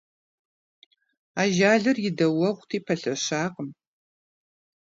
Ажалыр и дауэгъути, пэлъэщакъым…